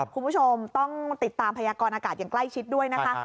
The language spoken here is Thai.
คุณผู้ชมต้องติดตามพยากรอากาศอย่างใกล้ชิดด้วยนะคะ